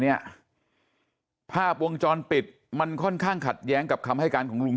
เนี่ยภาพวงจรปิดมันค่อนข้างขัดแย้งกับคำให้การของลุง